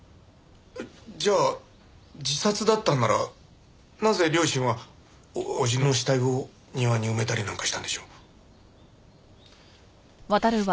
じゃあ自殺だったんならなぜ両親は叔父の死体を庭に埋めたりなんかしたんでしょう？